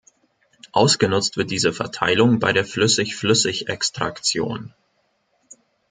Ausgenutzt wird diese Verteilung bei der Flüssig-Flüssig-Extraktion.